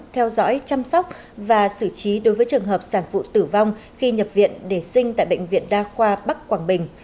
theo dõi chăm sóc và xử trí đối với trường hợp sản phụ tử vong khi nhập viện để sinh tại bệnh viện đa khoa bắc quảng bình